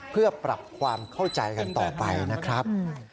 เพื่อปรับความเข้าใจกันต่อไปนะครับ